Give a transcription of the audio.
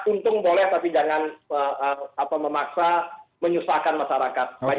untung boleh tapi jangan memaksa menyusahkan masyarakat